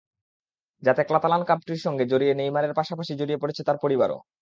যাতে কাতালান ক্লাবটির সঙ্গে জড়িয়ে নেইমারের পাশাপাশি জড়িয়ে পড়েছে তাঁর পরিবারও।